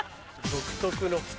独特の。